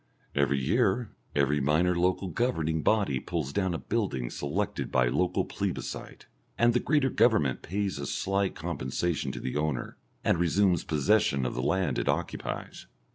Every year every minor local governing body pulls down a building selected by local plebiscite, and the greater Government pays a slight compensation to the owner, and resumes possession of the land it occupies.